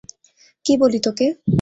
কি বলি তোকে?